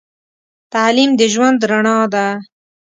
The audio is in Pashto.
تعليم د ژوند رڼا ده.